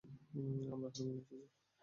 আমরা হানিমুনে এসেছি।